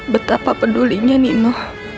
betapa pedulinya nino